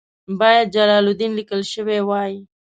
باید جلال الدین لیکل شوی وای.